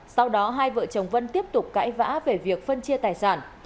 sau đó hai vợ chồng vân tiếp tục cãi vã về việc phân chia tài sản